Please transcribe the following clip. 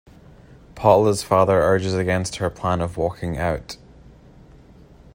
Paula's father urges against her plan of walking out.